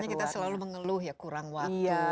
karena kita selalu mengeluh ya kurang waktu